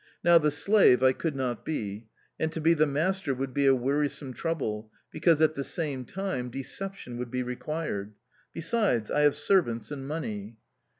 Now, the slave I could not be; and to be the master would be a wearisome trouble, because, at the same time, deception would be required. Besides, I have servants and money!